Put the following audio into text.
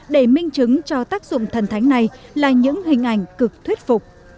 để minh chứng cho tác dụng thần thánh này là những hình ảnh cực thuyết phục